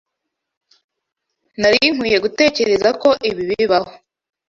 Nari nkwiye gutegereza ko ibi bibaho.